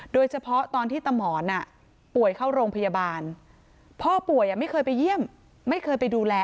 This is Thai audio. โดยเฉพาะตอนที่ตามหมอนป่วยเข้าโรงพยาบาลพ่อป่วยไม่เคยไปเยี่ยมไม่เคยไปดูแล